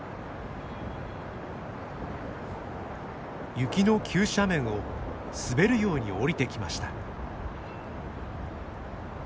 雪の急斜面を滑るように下りてきました。